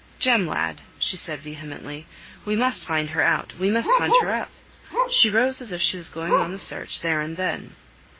"Jem, lad!" said she, vehemently, "we must find her out, we must hunt her up!" She rose as if she was going on the search there and then.